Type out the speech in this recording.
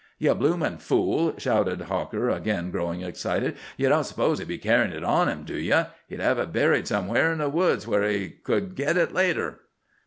"Ye bloomin' fool," shouted Hawker, again growing excited, "ye don't s'pose he'd be carryin' it on him, do ye? He'd hev it buried somewheres in the woods, where he could git it later."